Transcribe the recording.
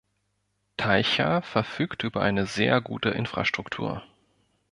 Teicha verfügt über eine sehr gute Infrastruktur.